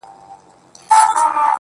پاڅه چي ځو ترې ، ه ياره,